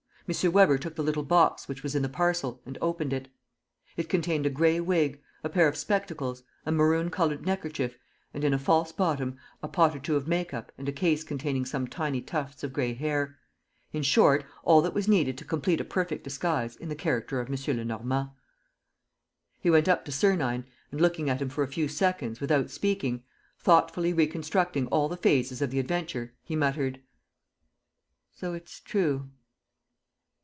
M. Weber took the little box which was in the parcel and opened it. It contained a gray wig, a pair of spectacles, a maroon colored neckerchief and, in a false bottom, a pot or two of make up and a case containing some tiny tufts of gray hair: in short, all that was needed to complete a perfect disguise in the character of M. Lenormand. He went up to Sernine and, looking at him for a few seconds without speaking, thoughtfully reconstructing all the phases of the adventure, he muttered: "So it's true?"